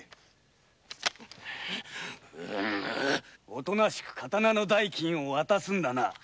おとなしく刀の代金を渡すんだな。